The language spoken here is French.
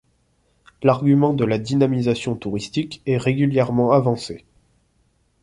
L'argument de la dynamisation touristique est régulièrement avancé.